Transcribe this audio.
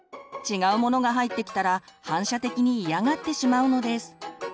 違うものが入ってきたら反射的に嫌がってしまうのです。